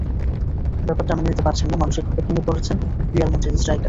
ব্যাপারটা মেনে নিতে পারছেন না, মানসিকভাবে ভেঙে পড়েছেন রিয়াল মাদ্রিদ স্ট্রাইকার।